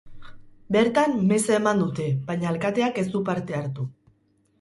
Bertan, meza eman dute, baina alkateak ez du parte hartu.